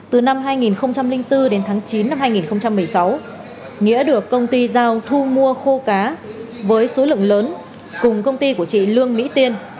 từ năm hai nghìn bốn đến tháng chín năm hai nghìn một mươi sáu nghĩa được công ty giao thu mua khô cá với số lượng lớn cùng công ty của chị lương mỹ tiên